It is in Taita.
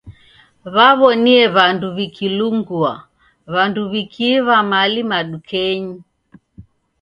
W'aw'onie iw'anda vikilungua, w'andu w'ikiiw'a mali madukenyi.